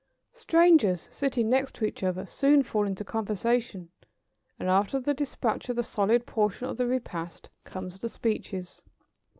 ] Strangers sitting next to each other soon fall into conversation, and after the dispatch of the solid portion of the repast come the speeches.